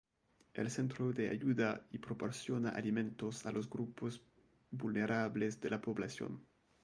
El centro de ayuda y proporciona alimentos a los grupos vulnerables de la población.